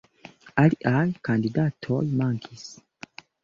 Aliaj kandidatoj mankis.